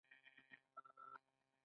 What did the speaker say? احکام او هدایات اړونده مرجعو ته واستوئ.